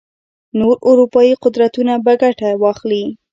نور اروپايي قدرتونه به ګټه واخلي.